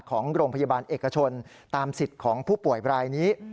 ของโรงพยาบาลเอกชนตามสิทธิ์ของผู้ป่วยรายนี้